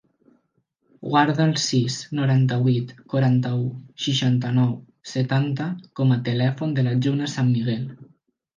Guarda el sis, noranta-vuit, quaranta-u, seixanta-nou, setanta com a telèfon de la Juna Sanmiguel.